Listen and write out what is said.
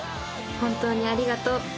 ［本当にありがとう。